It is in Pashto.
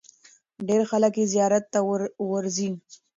ډېر خلک یې زیارت ته ورځي.